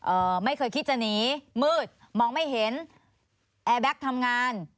ไม่เคยคิดจะหนีมืดมองไม่เห็นแอร์แบ็คทำงาน